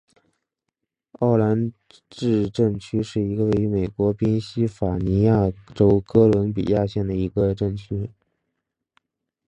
奥兰治镇区是一个位于美国宾夕法尼亚州哥伦比亚县的一个镇区。